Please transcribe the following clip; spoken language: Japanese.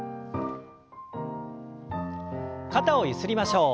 肩をゆすりましょう。